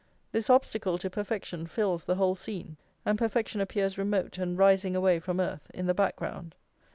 This obstacle to perfection fills the whole scene, and perfection appears remote and rising away from earth, in the background.